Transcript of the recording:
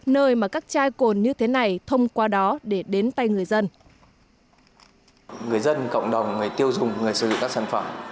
nơi mà các chai cồn như thế này thông qua đó để đến tay người dân